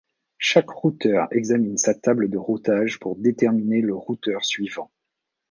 Chaque routeur examine sa table de routage pour déterminer le routeur suivant.